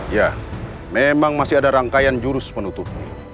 ya memang masih ada rangkaian jurus penutup